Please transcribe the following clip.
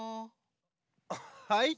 はい？